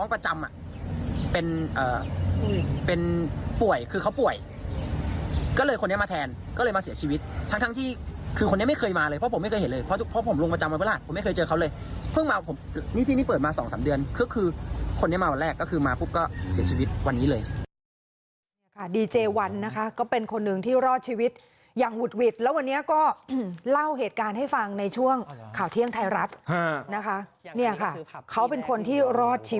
ป่วยคือเขาป่วยก็เลยคนนี้มาแทนก็เลยมาเสียชีวิตทั้งที่คือคนนี้ไม่เคยมาเลยเพราะผมไม่เคยเห็นเลยเพราะผมลงประจำวันพระราชผมไม่เคยเจอเขาเลยเพิ่งมาผมนี่ที่นี่เปิดมาสองสามเดือนคือคือคนนี้มาวันแรกก็คือมาปุ๊บก็เสียชีวิตวันนี้เลยค่ะดีเจวันนะคะก็เป็นคนหนึ่งที่รอดชีวิตอย่างหุดหวิดแล้ววันนี้ก็เล่าเหตุการณ์ให้